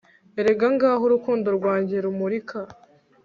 erega ngaho urukundo rwanjye rumurika